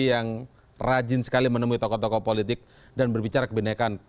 yang rajin sekali menemui tokoh tokoh politik dan berbicara kebenekaan